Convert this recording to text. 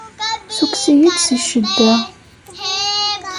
Ssukkes-iyi-d si ccedda!